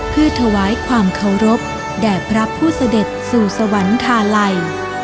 เพื่อถวายความเคารพแด่พระผู้เสด็จสู่สวรรคาลัย